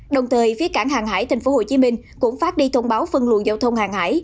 đồng thời phía cảng hàng hải thành phố hồ chí minh cũng phát đi thông báo phân luận giao thông hàng hải